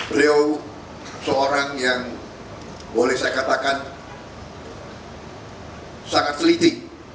beliau seorang yang boleh saya katakan sangat teliti